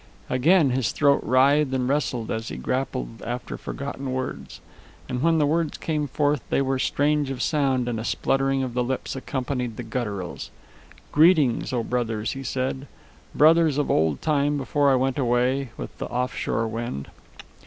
Again his throat writhed and wrestled as he grappled after forgotten words. And when the words came forth they were strange of sound and a spluttering of the lips accompanied the gutturals. "Greetings, O brothers," he said, "brothers of old time before I went away with the off shore wind."